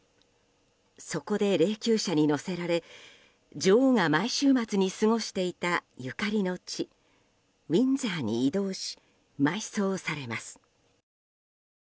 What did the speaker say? そこで霊柩車に乗せられ女王が毎週末に過ごしていたゆかりの地、ウィンザーに移動し埋葬されます。